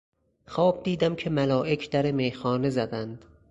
خواب دیدم که ملائک در میخانه زدند